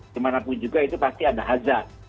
dimanapun juga itu pasti ada hazard